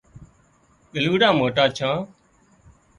ڳلُوڙان موٽان ڇان